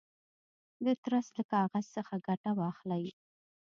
د ترس له کاغذ څخه ګټه واخلئ.